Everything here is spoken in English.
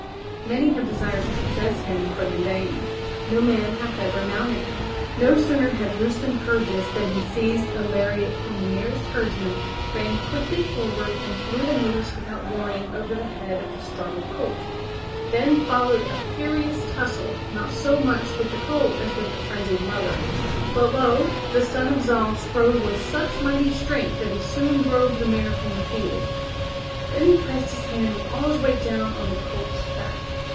Many have desired to possess him, but in vain. No man hath ever mounted him.'' No sooner had Rustem heard this than he seized a lariat from the nearest herdsman, ran quickly forward, and threw the noose without warning over the head of the startled colt. Then followed a furious tussle, not so much with the colt as with the frenzied mother, but lo! the son of Zal strove with such mighty strength that he soon drove the mare from the field. Then he pressed his hand with all his weight down on the colt's back.